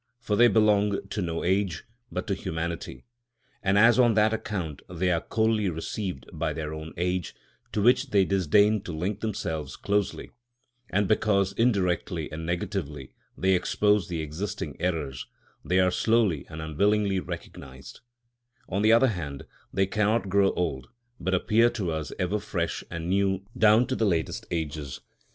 For they belong to no age, but to humanity, and as on that account they are coldly received by their own age, to which they disdain to link themselves closely, and because indirectly and negatively they expose the existing errors, they are slowly and unwillingly recognised; on the other hand, they cannot grow old, but appear to us ever fresh and new down to the latest ages.